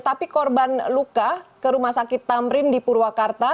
tapi korban luka ke rumah sakit tamrin di purwakarta